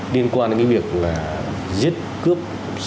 liên quan đến việc giết cướp